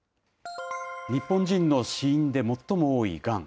日本人の死因で最も多い、がん。